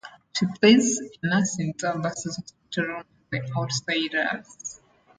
She plays a nurse in Dallas's hospital room in "The Outsiders".